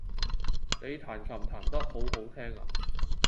你彈琴彈得好好聽呀